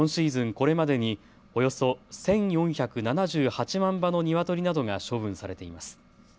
これまでにおよそ１４７８万羽のニワトリなどが処分されています。